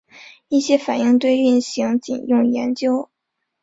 一些反应堆运行仅用于研究。